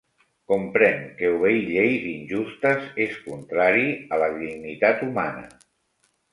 Comprèn que obeir lleis injustes és contrari a la dignitat humana.